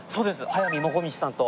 速水もこみちさんと。